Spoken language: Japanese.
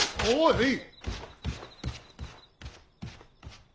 おい！